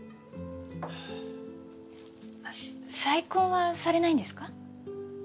再婚はされないんですか？